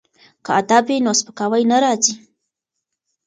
که ادب وي نو سپکاوی نه راځي.